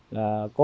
là cố gắng